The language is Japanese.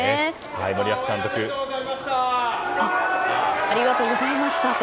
森保監督ありがとうございましたと。